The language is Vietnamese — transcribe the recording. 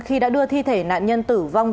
khi đã đưa thi thể nạn nhân tử vong